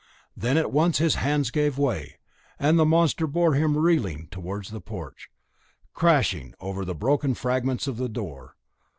Then at once his hands gave way, and the monster bore him reeling towards the porch, crashing over the broken fragments of the door.